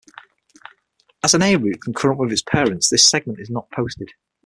As an 'A' route concurrent with its parents, this segment is not posted.